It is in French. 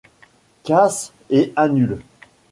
Casse et annule.